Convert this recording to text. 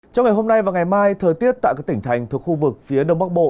trong ngày hôm nay và ngày mai thời tiết tại các tỉnh thành thuộc khu vực phía đông bắc bộ